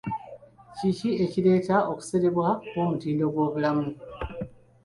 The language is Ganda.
Ki ekireeta okusereba kw'omutindo gw'obulamu?